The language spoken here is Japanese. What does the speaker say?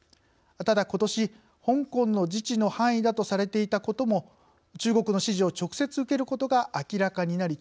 ただことし香港の自治の範囲だとされていたことも中国の指示を直接受けることが明らかになり注目されました。